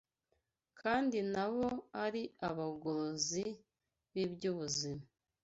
kandi na bo ari abagorozi b’iby’ubuzima